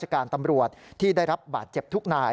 ดำเนินการดูแลข้าราชการตำรวจที่ได้รับบาดเจ็บทุกนาย